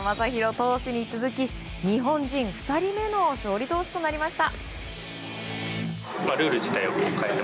投手に続き日本人２人目の勝利投手となりました。